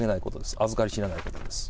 あずかり知らないことです。